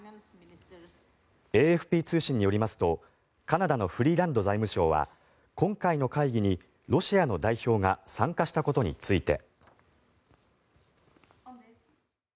ＡＦＰ通信によりますとカナダのフリーランド財務相は今回の会議にロシアの代表が参加したことについて。